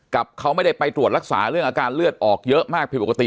กับเขาไม่ได้ไปตรวจรักษาเรื่องอาการเลือดออกเยอะมากผิดปกติ